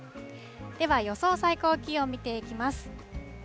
では、予想最高気温見ていきます。